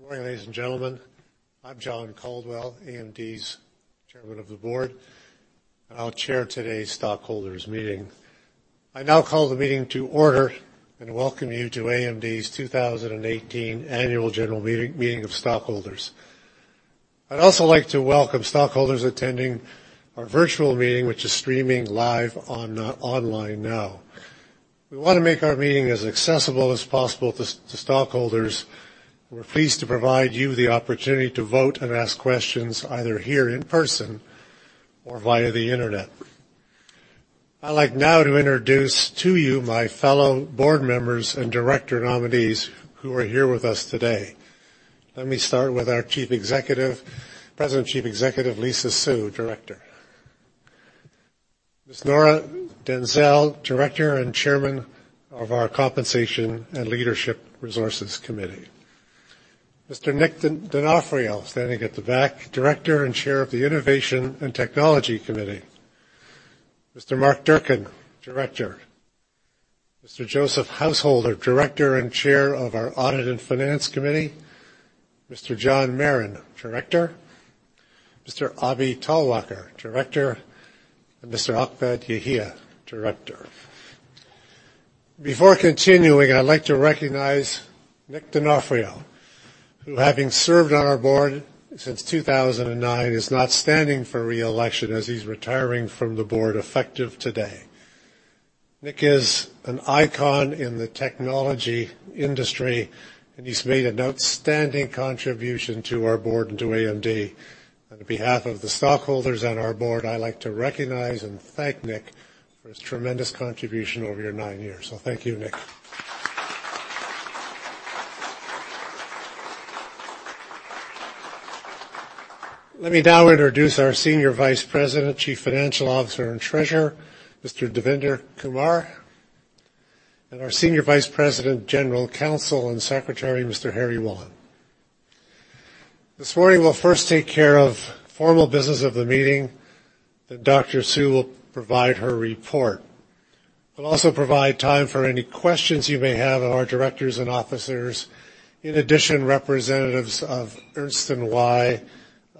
Good morning, ladies and gentlemen. I'm John Caldwell, AMD's Chairman of the Board, and I'll chair today's stockholders meeting. I now call the meeting to order and welcome you to AMD's 2018 annual general meeting of stockholders. I'd also like to welcome stockholders attending our virtual meeting, which is streaming live online now. We want to make our meeting as accessible as possible to stockholders. We're pleased to provide you the opportunity to vote and ask questions either here in person or via the internet. I'd like now to introduce to you my fellow board members and director nominees who are here with us today. Let me start with our President Chief Executive, Lisa Su, Director. Ms. Nora Denzel, Director and Chairman of our Compensation and Leadership Resources Committee. Mr. Nick Donofrio, standing at the back, Director and Chair of the Innovation and Technology Committee. Mr. Mark Durcan, Director. Mr. Joseph Householder, Director and Chair of our Audit and Finance Committee. Mr. John Marren, Director. Mr. Abhi Talwalkar, Director. Mr. Ahmed Yahia, Director. Before continuing, I'd like to recognize Nick Donofrio, who having served on our board since 2009, is not standing for reelection as he's retiring from the board effective today. Nick is an icon in the technology industry, and he's made an outstanding contribution to our board and to AMD. On behalf of the stockholders and our board, I'd like to recognize and thank Nick for his tremendous contribution over your nine years. Thank you, Nick. Let me now introduce our Senior Vice President, Chief Financial Officer, and Treasurer, Mr. Devinder Kumar, and our Senior Vice President, General Counsel, and Secretary, Mr. Harry Wolin. This morning, we'll first take care of formal business of the meeting. Dr. Su will provide her report. We'll also provide time for any questions you may have of our directors and officers. In addition, representatives of Ernst &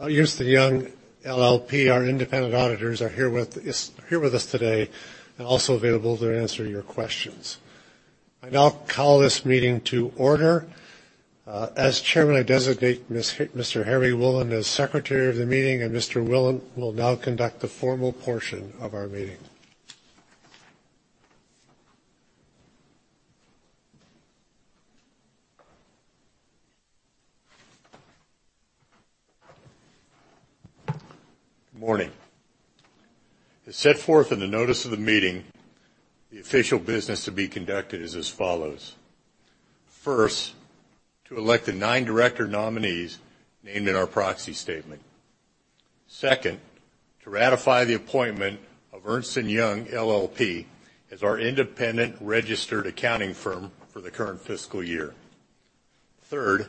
Young LLP, our independent auditors, are here with us today and also available to answer your questions. I now call this meeting to order. As chairman, I designate Mr. Harry Wolin as Secretary of the meeting. Mr. Wolin will now conduct the formal portion of our meeting. Good morning. As set forth in the notice of the meeting, the official business to be conducted is as follows. First, to elect the nine director nominees named in our proxy statement. Second, to ratify the appointment of Ernst & Young LLP as our independent registered accounting firm for the current fiscal year. Third,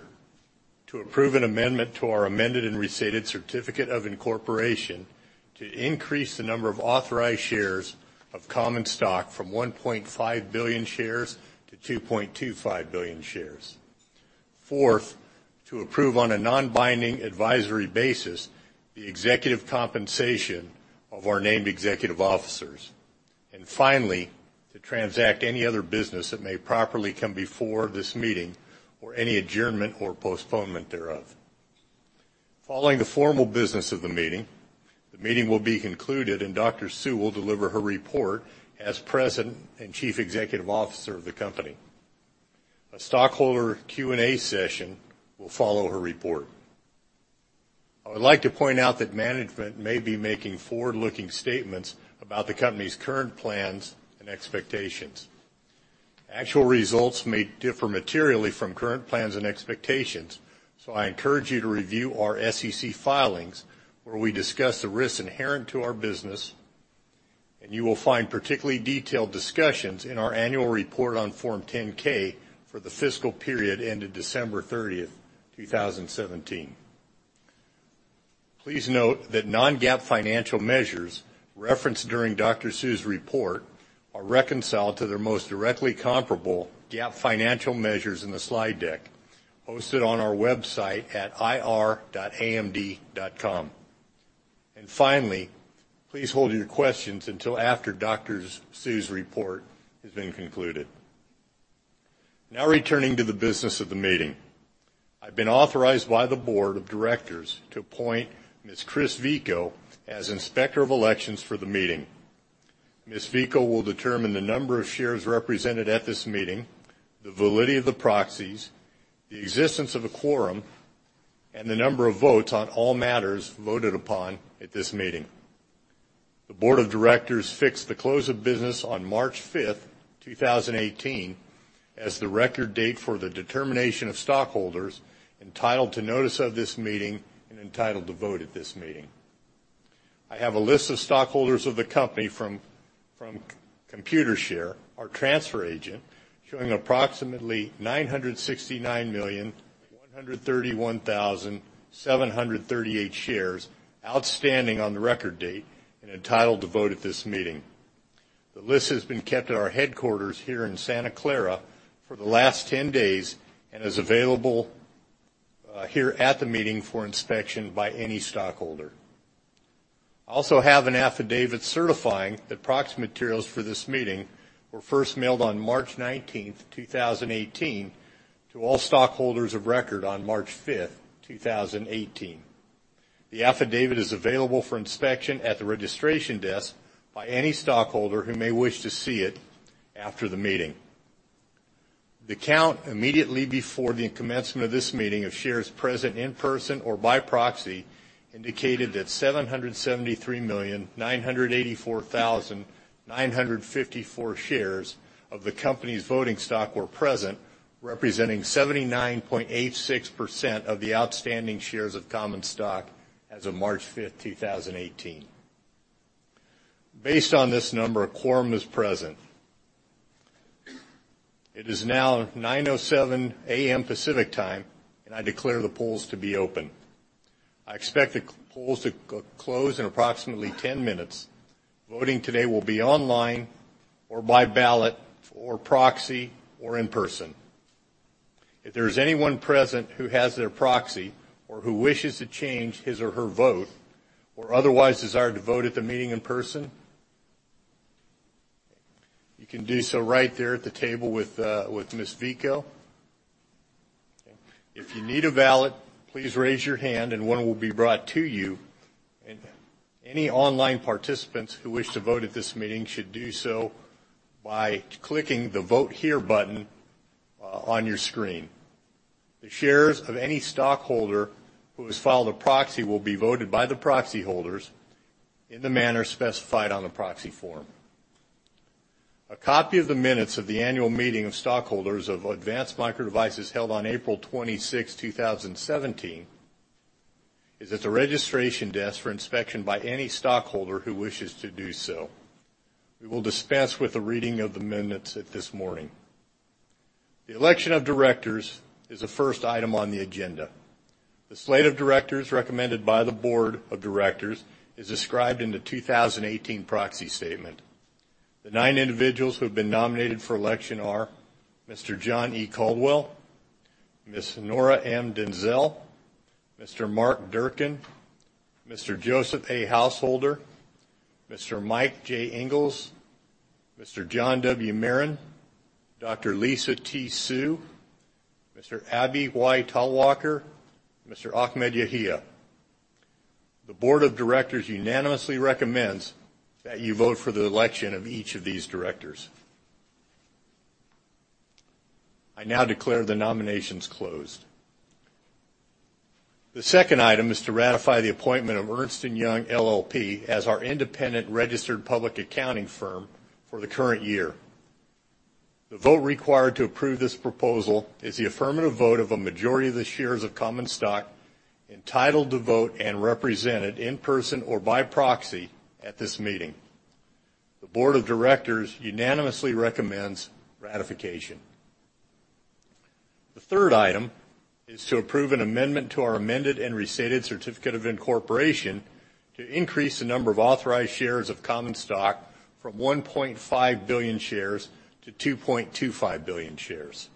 to approve an amendment to our amended and restated certificate of incorporation to increase the number of authorized shares of common stock from 1.5 billion shares to 2.25 billion shares. Fourth, to approve on a non-binding advisory basis the executive compensation of our named executive officers. Finally, to transact any other business that may properly come before this meeting or any adjournment or postponement thereof. Following the formal business of the meeting, the meeting will be concluded. Dr. Su will deliver her report as President and Chief Executive Officer of the company. A stockholder Q&A session will follow her report. I would like to point out that management may be making forward-looking statements about the company's current plans and expectations. Actual results may differ materially from current plans and expectations, I encourage you to review our SEC filings where we discuss the risks inherent to our business, and you will find particularly detailed discussions in our annual report on Form 10-K for the fiscal period ended December 30th, 2017. Please note that non-GAAP financial measures referenced during Dr. Su's report are reconciled to their most directly comparable GAAP financial measures in the slide deck hosted on our website at ir.amd.com. Finally, please hold your questions until after Dr. Su's report has been concluded. Now returning to the business of the meeting. I've been authorized by the board of directors to appoint Ms. Chris Vico as Inspector of Elections for the meeting. Ms. Vico will determine the number of shares represented at this meeting, the validity of the proxies, the existence of a quorum, and the number of votes on all matters voted upon at this meeting. The board of directors fixed the close of business on March 5th, 2018, as the record date for the determination of stockholders entitled to notice of this meeting and entitled to vote at this meeting. I have a list of stockholders of the company from Computershare, our transfer agent, showing approximately 969,131,738 shares outstanding on the record date and entitled to vote at this meeting. The list has been kept at our headquarters here in Santa Clara for the last 10 days and is available here at the meeting for inspection by any stockholder. I also have an affidavit certifying that proxy materials for this meeting were first mailed on March 19th, 2018, to all stockholders of record on March 5th, 2018. The affidavit is available for inspection at the registration desk by any stockholder who may wish to see it after the meeting. The count immediately before the commencement of this meeting of shares present in person or by proxy indicated that 773,984,954 shares of the company's voting stock were present, representing 79.86% of the outstanding shares of common stock as of March 5th, 2018. Based on this number, a quorum is present. It is now 9:07 A.M. Pacific Time, I declare the polls to be open. I expect the polls to close in approximately 10 minutes. Voting today will be online or by ballot, or proxy, or in person. If there is anyone present who has their proxy or who wishes to change his or her vote or otherwise desire to vote at the meeting in person, you can do so right there at the table with Ms. Vico. If you need a ballot, please raise your hand and one will be brought to you. Any online participants who wish to vote at this meeting should do so by clicking the Vote Here button on your screen. The shares of any stockholder who has filed a proxy will be voted by the proxy holders in the manner specified on the proxy form. A copy of the minutes of the annual meeting of stockholders of Advanced Micro Devices held on April 26, 2017, is at the registration desk for inspection by any stockholder who wishes to do so. We will dispense with the reading of the minutes this morning. The election of directors is the first item on the agenda. The slate of directors recommended by the board of directors is described in the 2018 proxy statement. The nine individuals who have been nominated for election are Mr. John E. Caldwell, Ms. Nora M. Denzel, Mr. Mark Durcan, Mr. Joseph A. Householder, Mr. Michael J. Inglis, Mr. John W. Marren, Dr. Lisa T. Su, Mr. Abhi Y. Talwalkar, Mr. Ahmed Yahia. The board of directors unanimously recommends that you vote for the election of each of these directors. I now declare the nominations closed. The second item is to ratify the appointment of Ernst & Young LLP as our independent registered public accounting firm for the current year. The vote required to approve this proposal is the affirmative vote of a majority of the shares of common stock entitled to vote and represented in person or by proxy at this meeting. The board of directors unanimously recommends ratification. The third item is to approve an amendment to our amended and restated certificate of incorporation to increase the number of authorized shares of common stock from 1.5 billion shares to 2.25 billion shares.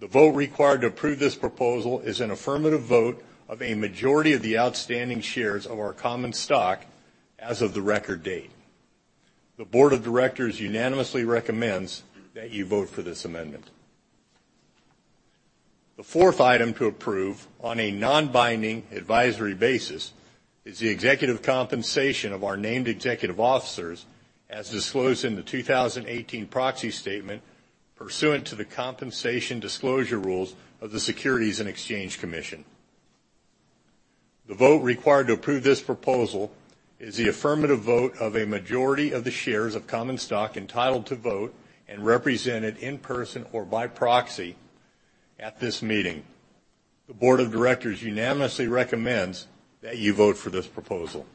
The vote required to approve this proposal is an affirmative vote of a majority of the outstanding shares of our common stock as of the record date. The board of directors unanimously recommends that you vote for this amendment. The fourth item to approve on a non-binding advisory basis is the executive compensation of our named executive officers as disclosed in the 2018 proxy statement pursuant to the compensation disclosure rules of the Securities and Exchange Commission. The vote required to approve this proposal is the affirmative vote of a majority of the shares of common stock entitled to vote and represented in person or by proxy at this meeting. The board of directors unanimously recommends that you vote for this proposal.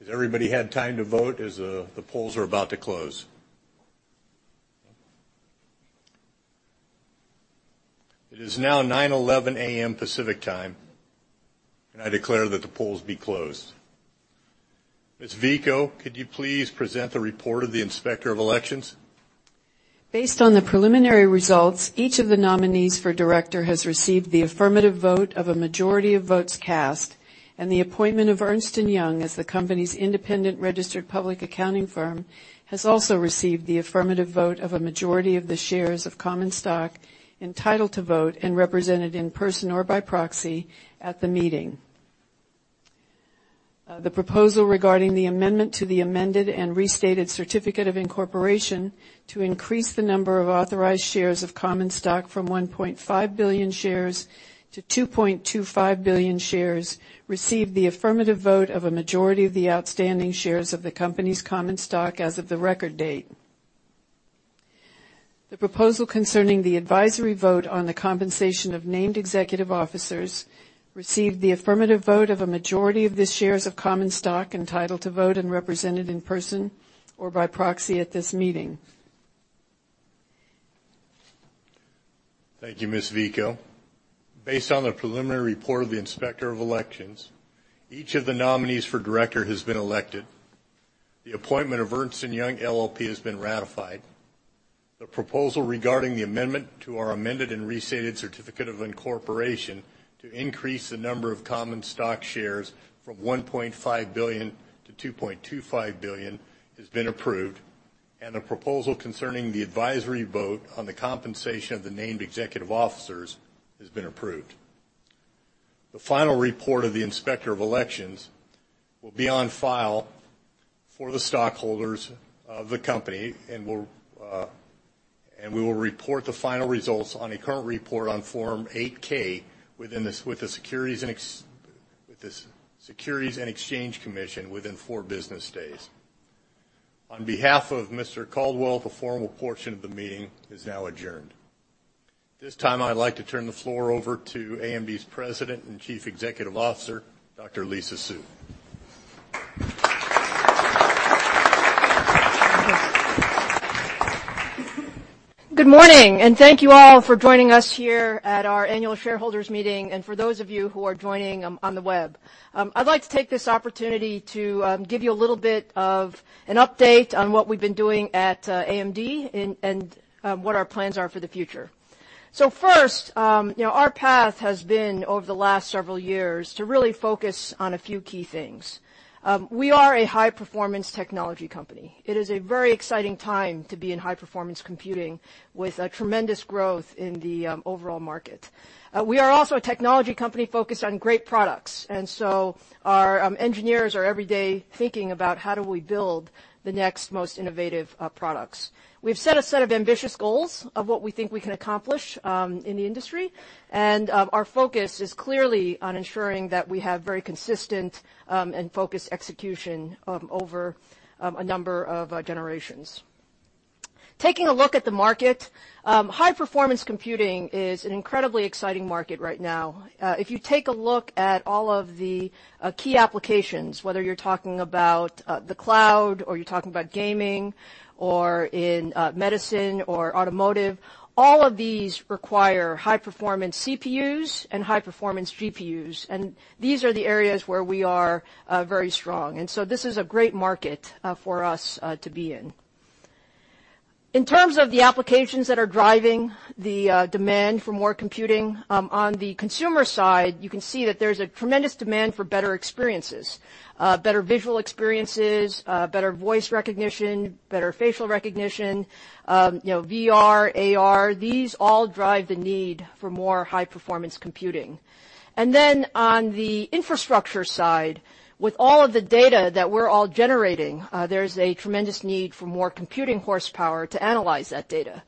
Has everybody had time to vote, as the polls are about to close? It is now 9:11 A.M. Pacific Time, and I declare that the polls be closed. Ms. Vico, could you please present the report of the Inspector of Elections? Based on the preliminary results, each of the nominees for director has received the affirmative vote of a majority of votes cast, and the appointment of Ernst & Young as the company's independent registered public accounting firm has also received the affirmative vote of a majority of the shares of common stock entitled to vote and represented in person or by proxy at the meeting. The proposal regarding the amendment to the amended and restated certificate of incorporation to increase the number of authorized shares of common stock from 1.5 billion shares to 2.25 billion shares received the affirmative vote of a majority of the outstanding shares of the company's common stock as of the record date. The proposal concerning the advisory vote on the compensation of named executive officers received the affirmative vote of a majority of the shares of common stock entitled to vote and represented in person or by proxy at this meeting. Thank you, Ms. Vico. Based on the preliminary report of the Inspector of Elections, each of the nominees for director has been elected. The appointment of Ernst & Young LLP has been ratified. The proposal regarding the amendment to our amended and restated certificate of incorporation to increase the number of common stock shares from $1.5 billion to $2.25 billion has been approved. The proposal concerning the advisory vote on the compensation of the named executive officers has been approved. The final report of the Inspector of Elections will be on file for the stockholders of the company, and we will report the final results on a current report on Form 8-K with the Securities and Exchange Commission within four business days. On behalf of Mr. Caldwell, the formal portion of the meeting is now adjourned. At this time, I'd like to turn the floor over to AMD's President and Chief Executive Officer, Dr. Lisa Su. Good morning, thank you all for joining us here at our annual shareholders meeting, and for those of you who are joining on the web. I'd like to take this opportunity to give you a little bit of an update on what we've been doing at AMD and what our plans are for the future. First, our path has been, over the last several years, to really focus on a few key things. We are a high-performance technology company. It is a very exciting time to be in high-performance computing with a tremendous growth in the overall market. We are also a technology company focused on great products, our engineers are, every day, thinking about how do we build the next most innovative products. We've set a set of ambitious goals of what we think we can accomplish in the industry. Our focus is clearly on ensuring that we have very consistent and focused execution over a number of generations. Taking a look at the market, high-performance computing is an incredibly exciting market right now. If you take a look at all of the key applications, whether you're talking about the cloud, or you're talking about gaming, or in medicine, or automotive, all of these require high-performance CPUs and high-performance GPUs, and these are the areas where we are very strong. This is a great market for us to be in. In terms of the applications that are driving the demand for more computing, on the consumer side, you can see that there's a tremendous demand for better experiences. Better visual experiences, better voice recognition, better facial recognition, VR, AR. These all drive the need for more high-performance computing. On the infrastructure side, with all of the data that we're all generating, there's a tremendous need for more computing horsepower to analyze that data.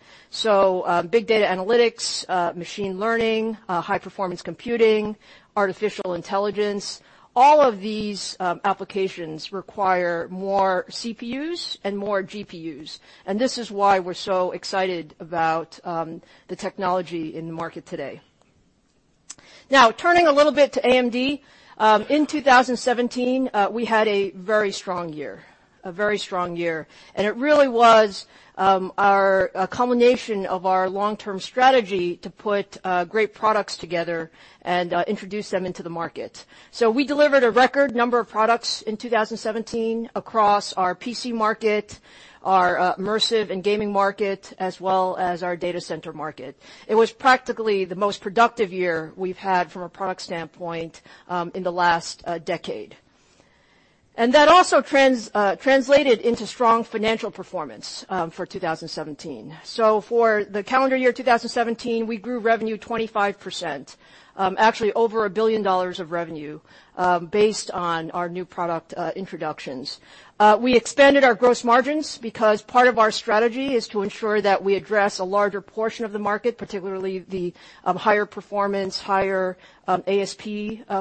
Big data analytics, machine learning, high-performance computing, artificial intelligence, all of these applications require more CPUs and more GPUs, and this is why we're so excited about the technology in the market today. Turning a little bit to AMD. In 2017, we had a very strong year. It really was a culmination of our long-term strategy to put great products together and introduce them into the market. We delivered a record number of products in 2017 across our PC market, our immersive and gaming market, as well as our data center market. It was practically the most productive year we've had from a product standpoint in the last decade. That also translated into strong financial performance for 2017. For the calendar year 2017, we grew revenue 25%, actually over $1 billion of revenue, based on our new product introductions. We expanded our gross margins because part of our strategy is to ensure that we address a larger portion of the market, particularly the higher performance, higher ASP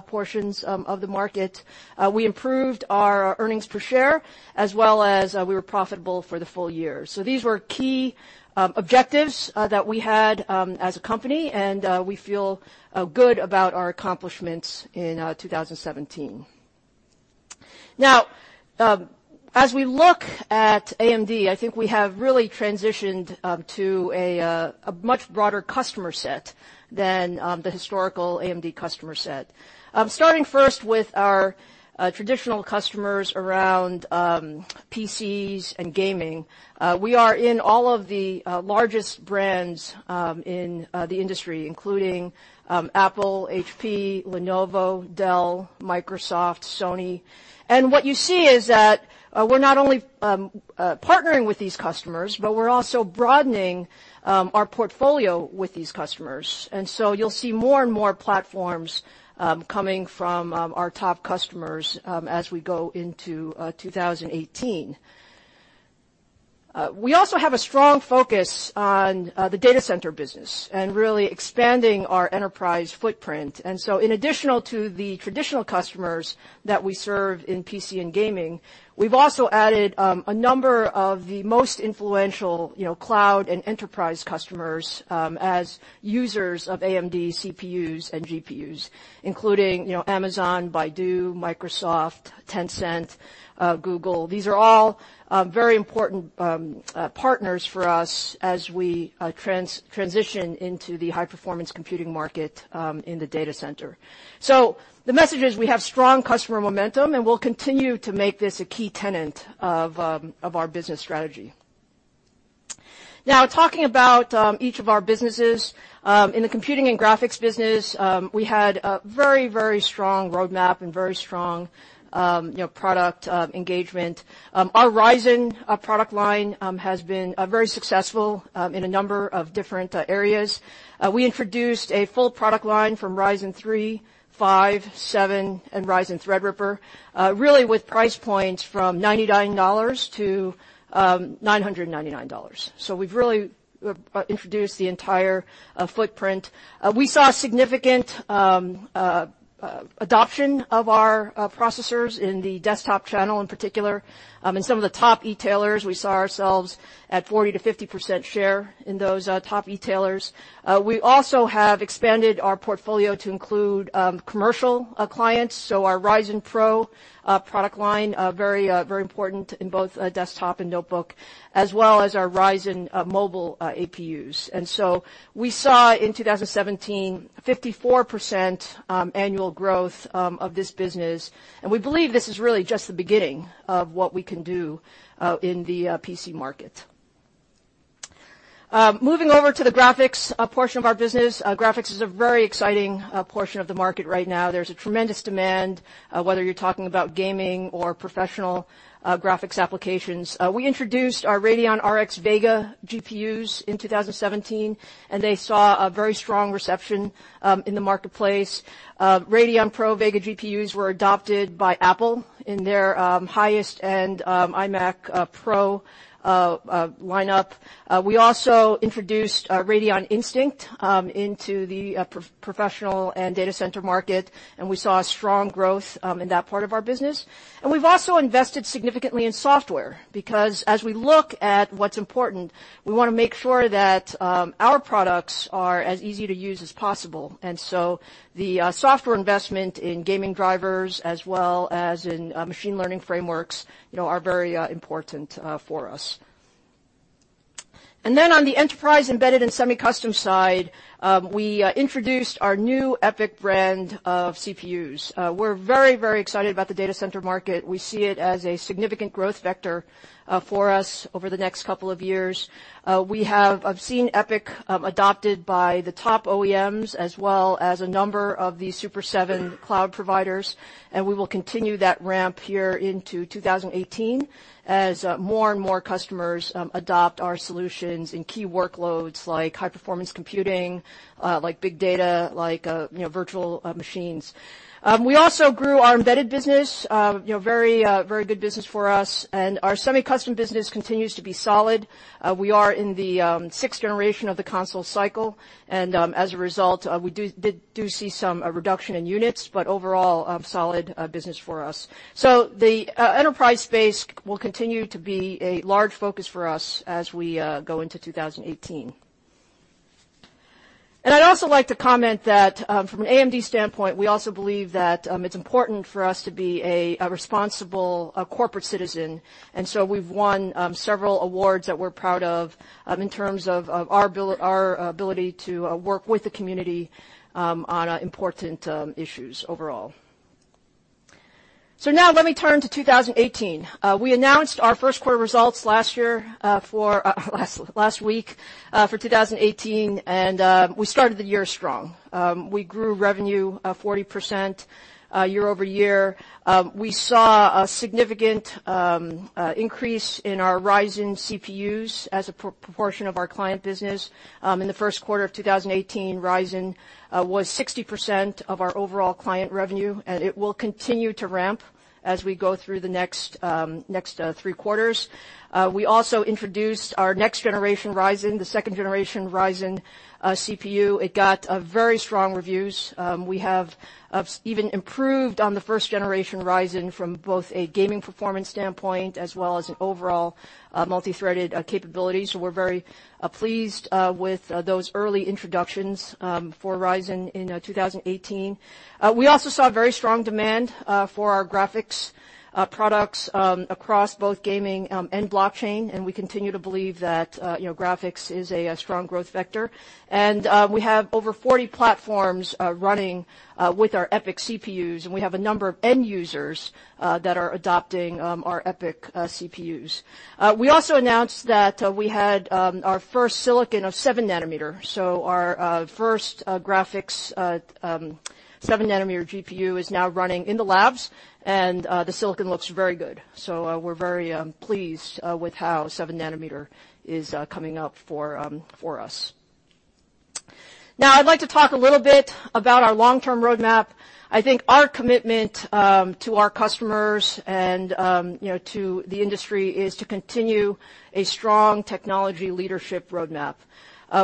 portions of the market. We improved our earnings per share, as well as we were profitable for the full year. These were key objectives that we had as a company, and we feel good about our accomplishments in 2017. As we look at AMD, I think we have really transitioned to a much broader customer set than the historical AMD customer set. Starting first with our traditional customers around PCs and gaming, we are in all of the largest brands in the industry, including Apple, HP, Lenovo, Dell, Microsoft, Sony. What you see is that we're not only partnering with these customers, but we're also broadening our portfolio with these customers. You'll see more and more platforms coming from our top customers as we go into 2018. We also have a strong focus on the data center business and really expanding our enterprise footprint. In addition to the traditional customers that we serve in PC and gaming, we've also added a number of the most influential cloud and enterprise customers as users of AMD CPUs and GPUs, including Amazon, Baidu, Microsoft, Tencent, Google. These are all very important partners for us as we transition into the high-performance computing market in the data center. The message is, we have strong customer momentum, and we'll continue to make this a key tenet of our business strategy. Talking about each of our businesses. In the Computing and Graphics business, we had a very strong roadmap and very strong product engagement. Our Ryzen product line has been very successful in a number of different areas. We introduced a full product line from Ryzen 3, 5, 7, and Ryzen Threadripper, really with price points from $99-$999. We've really introduced the entire footprint. We saw significant adoption of our processors in the desktop channel in particular. In some of the top e-tailers, we saw ourselves at 40%-50% share in those top e-tailers. We also have expanded our portfolio to include commercial clients. Our Ryzen PRO product line, very important in both desktop and notebook, as well as our Ryzen mobile APUs. We saw in 2017, 54% annual growth of this business, and we believe this is really just the beginning of what we can do in the PC market. Moving over to the graphics portion of our business. Graphics is a very exciting portion of the market right now. There's a tremendous demand, whether you're talking about gaming or professional graphics applications. We introduced our Radeon RX Vega GPUs in 2017, and they saw a very strong reception in the marketplace. Radeon Pro Vega GPUs were adopted by Apple in their highest-end iMac Pro lineup. We also introduced Radeon Instinct into the professional and data center market, and we saw strong growth in that part of our business. We've also invested significantly in software because as we look at what's important, we want to make sure that our products are as easy to use as possible. The software investment in gaming drivers as well as in machine learning frameworks are very important for us. On the enterprise, embedded, and semi-custom side, we introduced our new EPYC brand of CPUs. We're very excited about the data center market. We see it as a significant growth vector for us over the next couple of years. We have seen EPYC adopted by the top OEMs as well as a number of the Super Seven cloud providers, and we will continue that ramp here into 2018 as more and more customers adopt our solutions in key workloads like high-performance computing, like big data, like virtual machines. We also grew our embedded business. Very good business for us. Our semi-custom business continues to be solid. We are in the sixth generation of the console cycle, and as a result, we do see some reduction in units, but overall, a solid business for us. The enterprise space will continue to be a large focus for us as we go into 2018. I'd also like to comment that from an AMD standpoint, we also believe that it's important for us to be a responsible corporate citizen, and so we've won several awards that we're proud of in terms of our ability to work with the community on important issues overall. Let me turn to 2018. We announced our first quarter results last week for 2018, and we started the year strong. We grew revenue 40% year-over-year. We saw a significant increase in our Ryzen CPUs as a proportion of our client business. In the first quarter of 2018, Ryzen was 60% of our overall client revenue. It will continue to ramp as we go through the next three quarters. We also introduced our next generation Ryzen, the second generation Ryzen CPU. It got very strong reviews. We have even improved on the first generation Ryzen from both a gaming performance standpoint as well as an overall multi-threaded capability. We're very pleased with those early introductions for Ryzen in 2018. We also saw very strong demand for our graphics products across both gaming and blockchain. We continue to believe that graphics is a strong growth vector. We have over 40 platforms running with our EPYC CPUs, and we have a number of end users that are adopting our EPYC CPUs. We also announced that we had our first silicon of seven nanometer. Our first graphics seven-nanometer GPU is now running in the labs, and the silicon looks very good. We're very pleased with how seven nanometer is coming up for us. I'd like to talk a little bit about our long-term roadmap. I think our commitment to our customers and to the industry is to continue a strong technology leadership roadmap.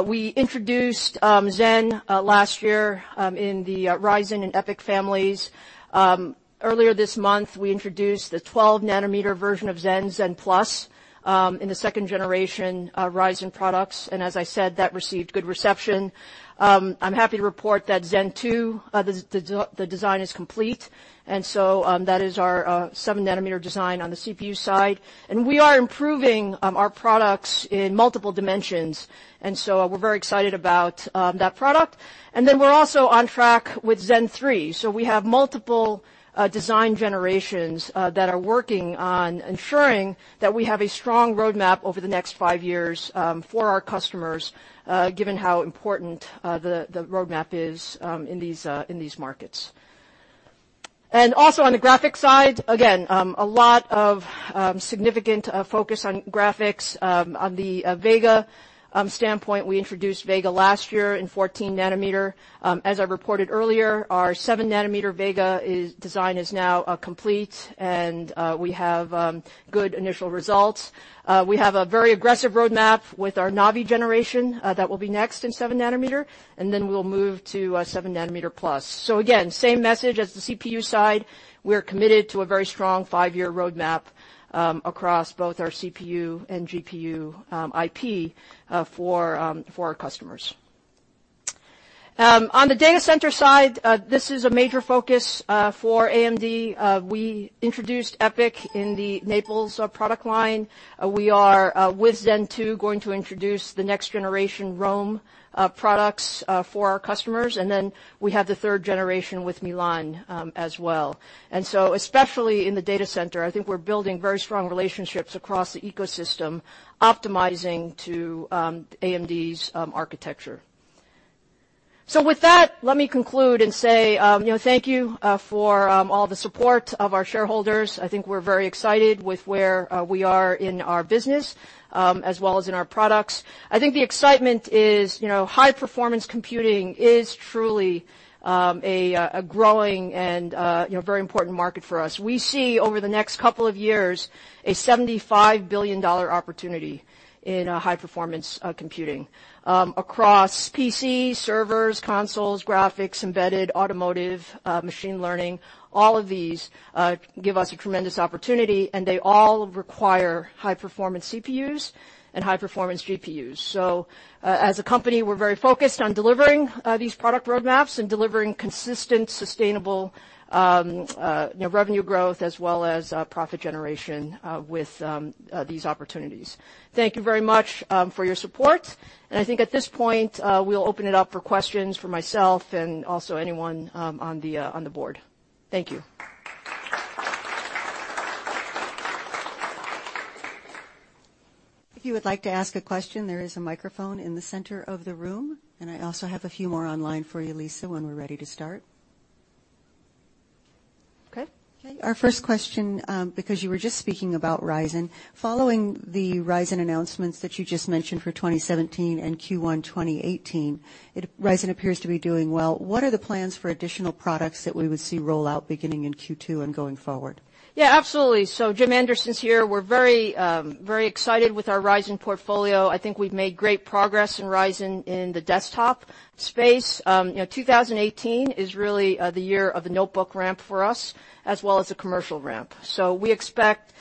We introduced Zen last year in the Ryzen and EPYC families. Earlier this month, we introduced the 12 nm version of Zen+ in the second generation Ryzen products, and as I said, that received good reception. I'm happy to report that Zen 2, the design is complete, and that is our seven nanometer design on the CPU side. We are improving our products in multiple dimensions, and we're very excited about that product. We're also on track with Zen 3. We have multiple design generations that are working on ensuring that we have a strong roadmap over the next five years for our customers, given how important the roadmap is in these markets. Also on the graphic side, again, a lot of significant focus on graphics. On the Vega standpoint, we introduced Vega last year in 14 nm. As I reported earlier, our seven nanometer Vega design is now complete, and we have good initial results. We have a very aggressive roadmap with our Navi generation that will be next in seven nanometer, and we'll move to 7nm+. Again, same message as the CPU side. We're committed to a very strong five-year roadmap across both our CPU and GPU IP for our customers. On the data center side, this is a major focus for AMD. We introduced EPYC in the Naples product line. We are, with Zen 2, going to introduce the next generation Rome products for our customers. We have the third generation with Milan as well. Especially in the data center, I think we're building very strong relationships across the ecosystem, optimizing to AMD's architecture. With that, let me conclude and say thank you for all the support of our shareholders. I think we're very excited with where we are in our business, as well as in our products. I think the excitement is high performance computing is truly a growing and very important market for us. We see, over the next couple of years, a $75 billion opportunity in high performance computing. Across PC, servers, consoles, graphics, embedded, automotive, machine learning, all of these give us a tremendous opportunity, and they all require high performance CPUs and high performance GPUs. As a company, we're very focused on delivering these product roadmaps and delivering consistent, sustainable revenue growth, as well as profit generation with these opportunities. Thank you very much for your support, and I think at this point, we'll open it up for questions for myself and also anyone on the board. Thank you. If you would like to ask a question, there is a microphone in the center of the room, and I also have a few more online for you, Lisa, when we're ready to start. Okay. Our first question, because you were just speaking about Ryzen. Following the Ryzen announcements that you just mentioned for 2017 and Q1 2018, Ryzen appears to be doing well. What are the plans for additional products that we would see roll out beginning in Q2 and going forward? Absolutely. Jim Anderson's here. We're very excited with our Ryzen portfolio. I think we've made great progress in Ryzen in the desktop space. 2018 is really the year of the notebook ramp for us, as well as the commercial ramp. We expect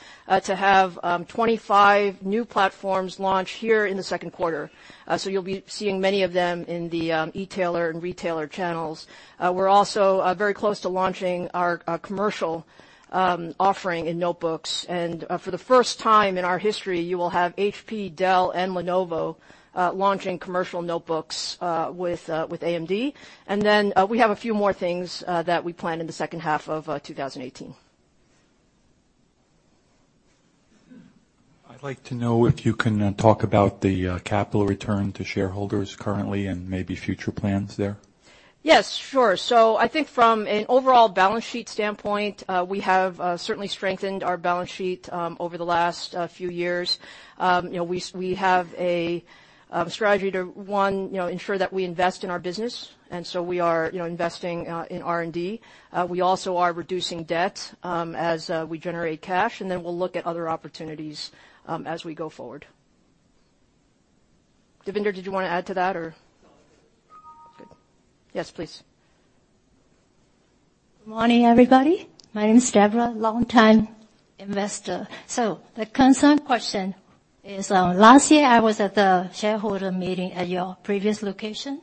to have 25 new platforms launch here in the second quarter. You'll be seeing many of them in the e-tailer and retailer channels. We're also very close to launching our commercial offering in notebooks. For the first time in our history, you will have HP, Dell, and Lenovo launching commercial notebooks with AMD. We have a few more things that we plan in the second half of 2018. I'd like to know if you can talk about the capital return to shareholders currently and maybe future plans there. Yes, sure. I think from an overall balance sheet standpoint, we have certainly strengthened our balance sheet over the last few years. We have a strategy to, one, ensure that we invest in our business, and so we are investing in R&D. We also are reducing debt as we generate cash, and then we'll look at other opportunities as we go forward. Devinder, did you want to add to that, or? No, I'm good. Good. Yes, please. Good morning, everybody. My name's Debra, longtime investor. The concern question is, last year I was at the shareholder meeting at your previous location.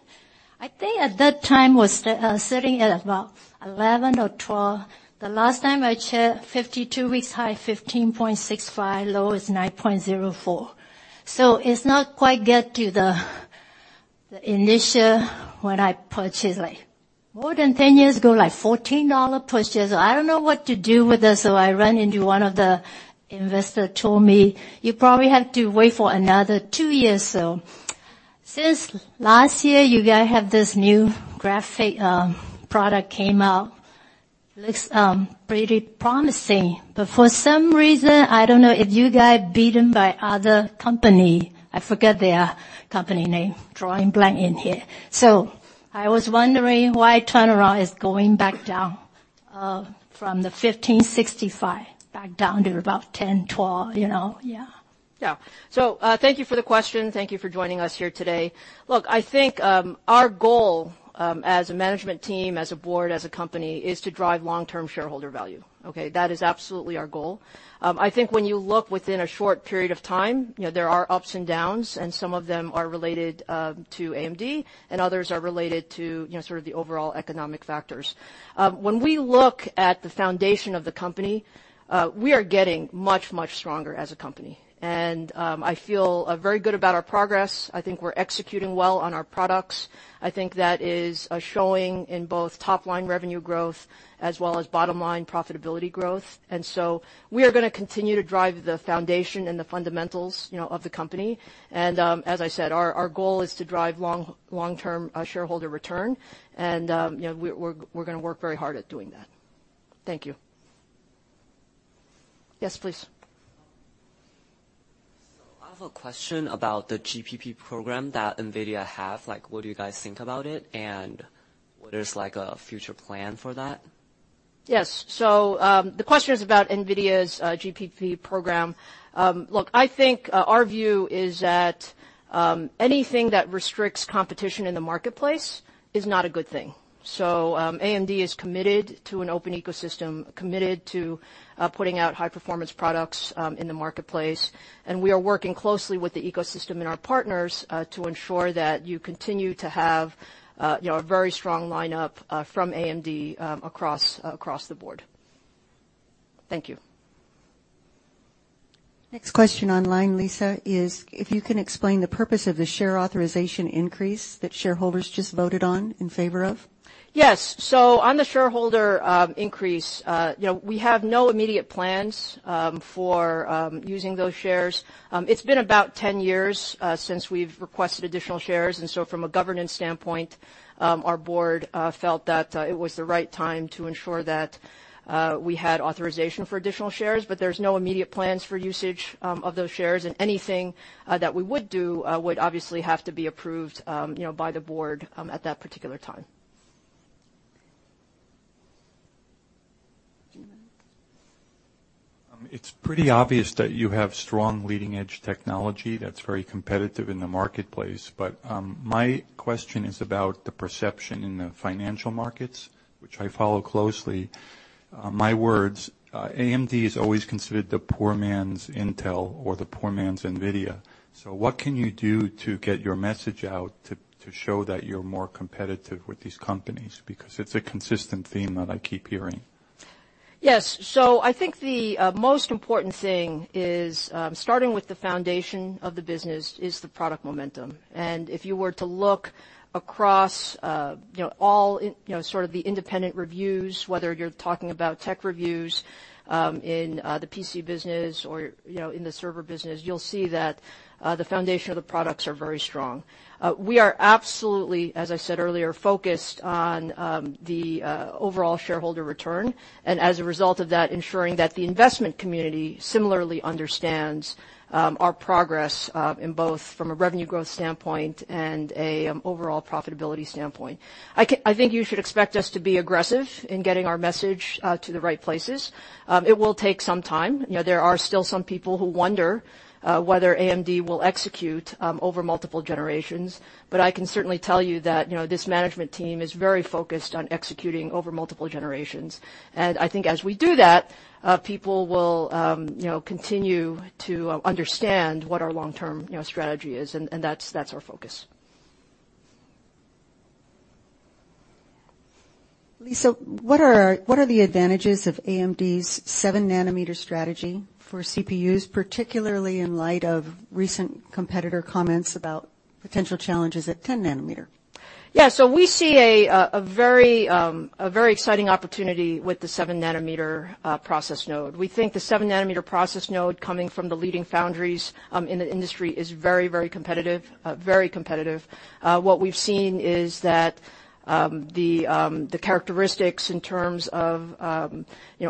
I think at that time was sitting at about 11 or 12. The last time I checked, 52 weeks high, 15.65, low is 9.04. It's not quite get to the initial when I purchased more than 10 years ago, like $14 purchase. I don't know what to do with this, I run into one of the investor told me, "You probably have to wait for another two years." Since last year, you guys have this new graphic product came out. Looks pretty promising. For some reason, I don't know if you got beaten by other company. I forget their company name. Drawing blank in here. I was wondering why turnaround is going back down from the 1565 back down to about 1012. Yeah. Thank you for the question. Thank you for joining us here today. Look, I think our goal as a management team, as a board, as a company, is to drive long-term shareholder value. Okay? That is absolutely our goal. I think when you look within a short period of time, there are ups and downs, and some of them are related to AMD, and others are related to sort of the overall economic factors. When we look at the foundation of the company, we are getting much, much stronger as a company. I feel very good about our progress. I think we're executing well on our products. I think that is showing in both top-line revenue growth as well as bottom-line profitability growth. We are going to continue to drive the foundation and the fundamentals of the company. As I said, our goal is to drive long-term shareholder return. We're going to work very hard at doing that. Thank you. Yes, please. I have a question about the GPP program that NVIDIA have. What do you guys think about it, and what is a future plan for that? Yes. The question is about NVIDIA's GPP program. Look, I think our view is that anything that restricts competition in the marketplace is not a good thing. AMD is committed to an open ecosystem, committed to putting out high-performance products in the marketplace, and we are working closely with the ecosystem and our partners to ensure that you continue to have a very strong lineup from AMD across the board. Thank you. Next question online, Lisa, is if you can explain the purpose of the share authorization increase that shareholders just voted on in favor of. Yes. On the shareholder increase, we have no immediate plans for using those shares. It's been about 10 years since we've requested additional shares, from a governance standpoint, our board felt that it was the right time to ensure that we had authorization for additional shares. There's no immediate plans for usage of those shares, and anything that we would do would obviously have to be approved by the board at that particular time. Do you know? It's pretty obvious that you have strong leading-edge technology that's very competitive in the marketplace, my question is about the perception in the financial markets, which I follow closely. My words, AMD is always considered the poor man's Intel or the poor man's NVIDIA. What can you do to get your message out to show that you're more competitive with these companies? It's a consistent theme that I keep hearing. Yes. I think the most important thing is, starting with the foundation of the business, is the product momentum. If you were to look across all sort of the independent reviews, whether you're talking about tech reviews in the PC business or in the server business, you'll see that the foundation of the products are very strong. We are absolutely, as I said earlier, focused on the overall shareholder return, and as a result of that, ensuring that the investment community similarly understands our progress in both from a revenue growth standpoint and a overall profitability standpoint. I think you should expect us to be aggressive in getting our message to the right places. It will take some time. There are still some people who wonder whether AMD will execute over multiple generations. I can certainly tell you that this management team is very focused on executing over multiple generations. I think as we do that, people will continue to understand what our long-term strategy is, and that's our focus. Lisa, what are the advantages of AMD's 7 nm strategy for CPUs, particularly in light of recent competitor comments about potential challenges at 10nm? We see a very exciting opportunity with the 7 nm process node. We think the 7 nm process node coming from the leading foundries in the industry is very competitive. What we've seen is that the characteristics in terms of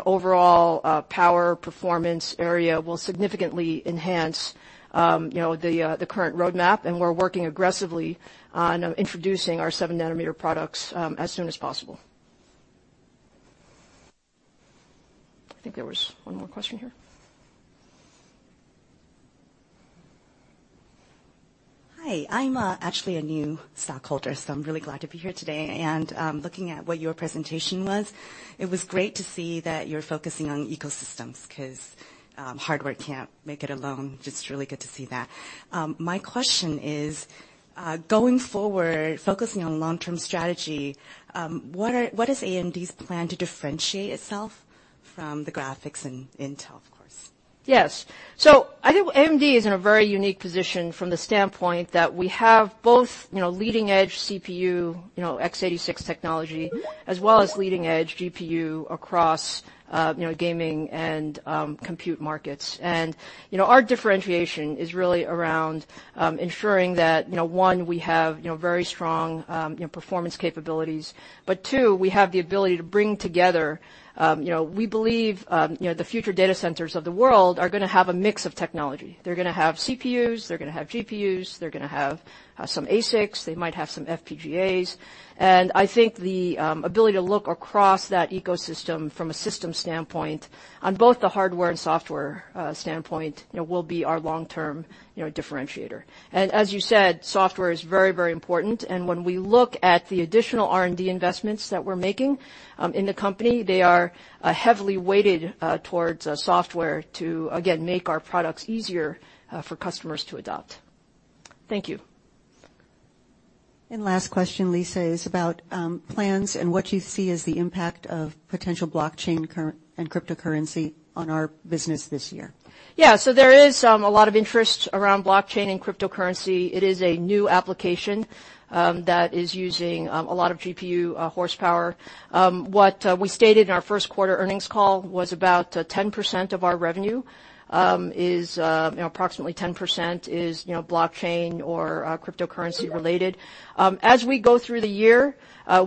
overall power, performance, area, will significantly enhance the current roadmap, and we're working aggressively on introducing our 7 nm products as soon as possible. I think there was one more question here. Hi. I'm actually a new stockholder, I'm really glad to be here today. Looking at what your presentation was, it was great to see that you're focusing on ecosystems because hardware can't make it alone. Just really good to see that. My question is, going forward, focusing on long-term strategy, what is AMD's plan to differentiate itself from the graphics in Intel, of course? Yes. I think AMD is in a very unique position from the standpoint that we have both leading edge CPU, x86 technology, as well as leading edge GPU across gaming and compute markets. Our differentiation is really around ensuring that, one, we have very strong performance capabilities, two, we have the ability to bring together. We believe the future data centers of the world are going to have a mix of technology. They're going to have CPUs, they're going to have GPUs, they're going to have some ASICs, they might have some FPGAs. I think the ability to look across that ecosystem from a system standpoint, on both the hardware and software standpoint, will be our long-term differentiator. As you said, software is very important. When we look at the additional R&D investments that we're making in the company, they are heavily weighted towards software to, again, make our products easier for customers to adopt. Thank you. Last question, Lisa, is about plans and what you see as the impact of potential blockchain and cryptocurrency on our business this year. There is a lot of interest around blockchain and cryptocurrency. It is a new application that is using a lot of GPU horsepower. What we stated in our first quarter earnings call was about 10% of our revenue, approximately 10%, is blockchain or cryptocurrency related. As we go through the year,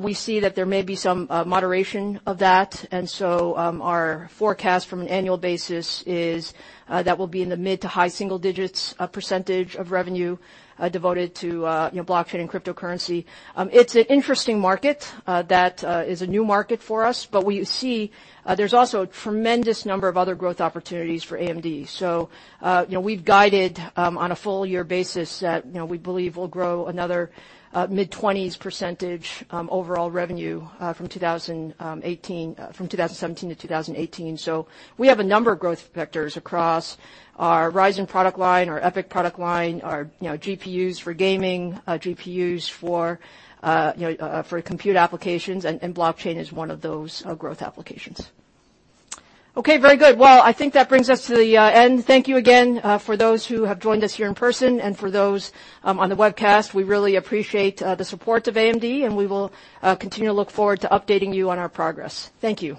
we see that there may be some moderation of that, and our forecast from an annual basis is that will be in the mid to high single-digits percentage of revenue devoted to blockchain and cryptocurrency. It's an interesting market that is a new market for us, but we see there's also a tremendous number of other growth opportunities for AMD. We've guided on a full-year basis that we believe we'll grow another mid-20s percentage overall revenue from 2017 to 2018. We have a number of growth vectors across our Ryzen product line, our EPYC product line, our GPUs for gaming, GPUs for compute applications, and blockchain is one of those growth applications. Okay, very good. I think that brings us to the end. Thank you again for those who have joined us here in person and for those on the webcast. We really appreciate the support of AMD, and we will continue to look forward to updating you on our progress. Thank you.